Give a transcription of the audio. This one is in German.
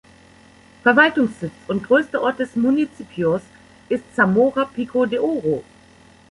Verwaltungssitz und größter Ort des Municipios ist Zamora Pico de Oro.